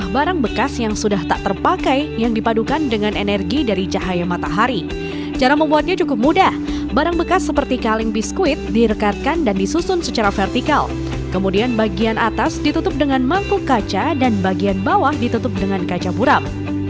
bagian atas ditutup dengan mangkuk kaca dan bagian bawah ditutup dengan kaca puram